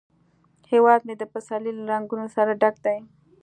هیواد مې د پسرلي له رنګونو ډک دی